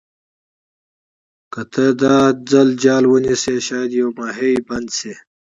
که ته دا ځل جال ونیسې شاید یو ماهي بند شي.